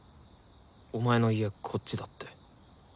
お前の家こっちだって。